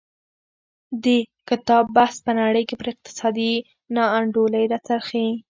د کتاب بحث په نړۍ کې پر اقتصادي نا انډولۍ راڅرخي.